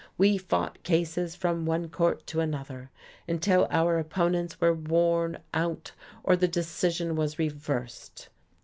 We fought cases from one court to another, until our opponents were worn out or the decision was reversed.